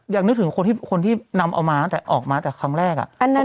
อย่างนึกถึงคนที่นำเอามาออกมาแต่ครั้งแรก